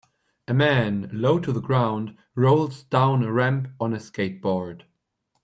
A man, low to the ground, rolls down a ramp on a skateboard.